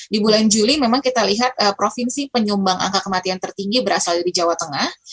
di bulan juli memang kita lihat provinsi penyumbang angka kematian tertinggi berasal dari jawa tengah